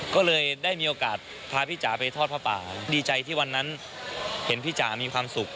ก็เลยได้มีโอกาสพาพี่จ๋าไปทอดผ้าป่าดีใจที่วันนั้นเห็นพี่จ๋ามีความสุข